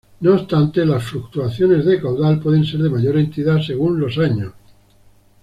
No obstante las fluctuaciones de caudal pueden ser de mayor entidad según los años.